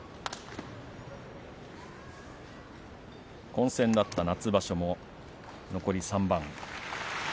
混戦だった夏場所も残り３番。